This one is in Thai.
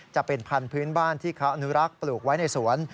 จะเป็นพันธุ์พื้นบ้านที่เขาอนุรักษ์ปลูกไว้ในสวน